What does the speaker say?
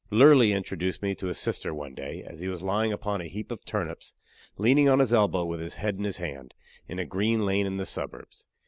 Lurly introduced me to his sister one day, as he was lying upon a heap of turnips, leaning on his elbow with his head in his hand, in a green lane in the suburbs.